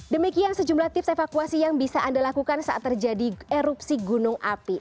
demikian sejumlah tips evakuasi yang bisa anda lakukan saat terjadi erupsi gunung api